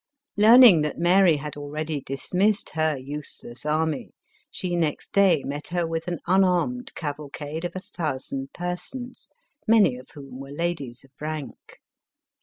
Learning that Mary had already dis missed her useless army, she next day met her with an unarmed cavalcade of a thousand persons, many of whom were ladies of rank.